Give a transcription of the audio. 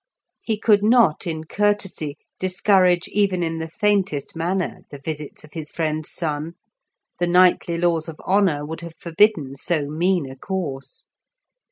He could not in courtesy discourage even in the faintest manner the visits of his friend's son; the knightly laws of honour would have forbidden so mean a course.